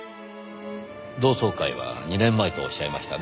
同窓会は２年前とおっしゃいましたねぇ。